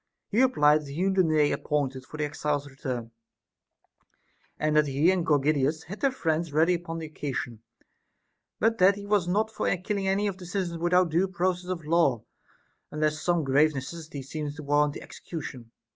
He replied that he knew the day appointed for the exiles' return, and that he and Gorgidas had their friends ready upon occasion ; but that he was not for killing any of the citizens without due process of law, unless some grave necessity seemed to warrant the execution.